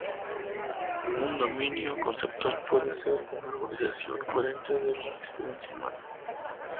Un dominio conceptual puede ser una organización coherente de la experiencia humana.